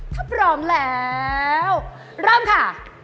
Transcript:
ถ้าพร้อมแล้วเริ่มค่ะ